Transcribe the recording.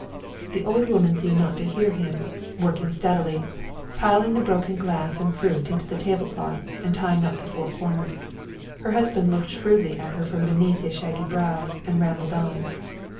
The old woman seemed not to hear him, working steadily, piling the broken glass and fruit into the table cloth and tying up the four corners. Her husband looked shrewdly at her from beneath his shaggy brows and rambled on.